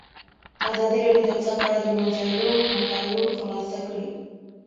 ازادي راډیو د اقتصاد په اړه د مجلو مقالو خلاصه کړې.